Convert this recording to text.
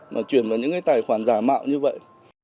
mà chuyển vào những cái tài khoản giả mạo như vậy